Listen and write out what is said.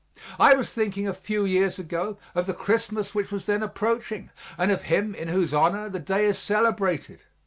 I was thinking a few years ago of the Christmas which was then approaching and of Him in whose honor the day is celebrated.